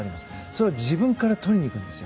それを自分から取りにいくんです。